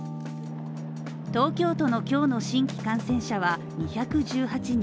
東京都の今日の新規感染者は２１８人。